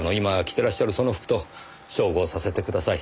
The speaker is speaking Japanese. てらっしゃるその服と照合させてください。